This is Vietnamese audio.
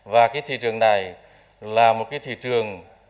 và cái thị trường này là một cái thị trường